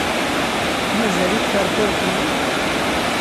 Mazal-ik terfiḍ fell-i?